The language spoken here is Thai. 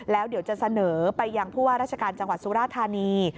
แล้วเดี๋ยวจะเสนอไปยังผู้ว่าราชการจังหวัดสุราธานี